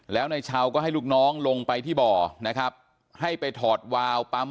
แล้วนายชาวก็ให้ลูกน้องลงไปที่บ่อนะครับให้ไปถอดวาวปั๊ม